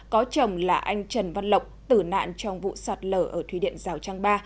có chồng là anh trần văn lộng tử nạn trong vụ sạt lở ở thủy điện rào trang ba